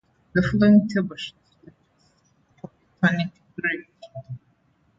The following table shows Windows Polytonic Greek.